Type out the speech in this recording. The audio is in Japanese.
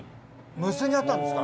無数にあったんですか！